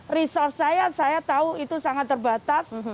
resource saya saya tahu itu sangat terbatas